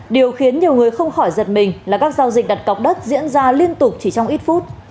điều khiến nhiều người không khỏi giật mình là các giao dịch đặt cọc đất diễn ra liên tục chỉ trong ít phút